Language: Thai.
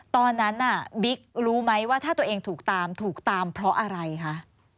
ตอนนั้นน่ะบิ๊กรู้ไหมว่าถ้าตัวเองถูกตามถูกตามเพราะอะไรคะ